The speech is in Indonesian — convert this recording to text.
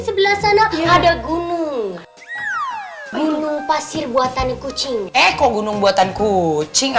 sebelah sana ada gunung gunung pasir buatan kucing eh kok gunung buatan kucing